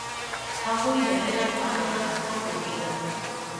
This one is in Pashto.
هغوی د علم په ارزښت ښه پوهېدل.